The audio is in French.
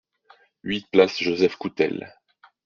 huit place Joseph Coutel